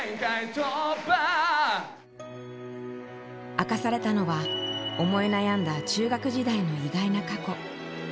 明かされたのは思い悩んだ中学時代の意外な過去。